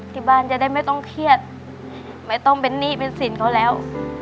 ที่บ้านจะได้ไม่ต้องเครียดไม่ต้องเป็นหนี้เป็นสินเขาแล้ว